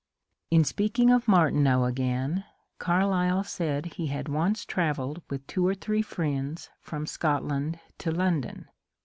In speaking of Martinean again, Carlyle said he had once travelled with two or three friends from Scotland to London.